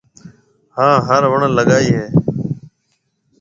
ھان ھُروڻ لگائيَ ھيََََ